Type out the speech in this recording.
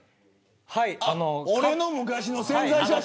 俺の昔の宣材写真。